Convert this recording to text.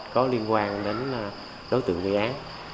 có liên quan đến đối tượng nghi án